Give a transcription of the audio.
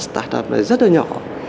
một cái tài tập này rất là nhỏ